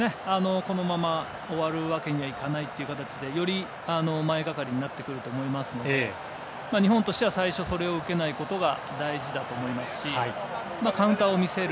このまま終わるわけにはいかないという形でより前がかりになってくると思いますので日本としては最初それを受けないことが大事だと思いますしカウンターを見せる。